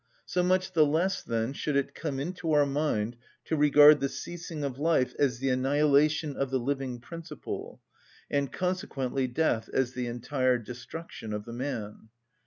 So much the less, then, should it come into our mind to regard the ceasing of life as the annihilation of the living principle, and consequently death as the entire destruction of the man.